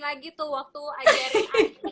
lagi tuh waktu ajarin